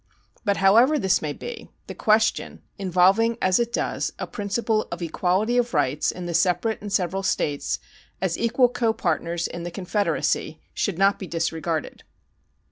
But however this may be, the question, involving, as it does, a principle of equality of rights of the separate and several States as equal copartners in the Confederacy, should not be disregarded.